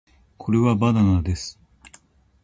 これはバナナです